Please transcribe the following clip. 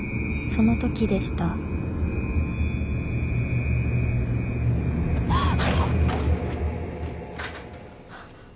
・・［そのときでした］はっ！？